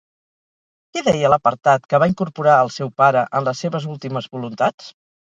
Què deia l'apartat que va incorporar el seu pare en les seves últimes voluntats?